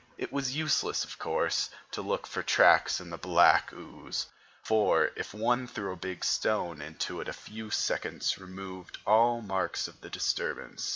It was useless of course, to look for tracks in the black ooze, for if one threw a big stone into it a few seconds removed all marks of the disturbance.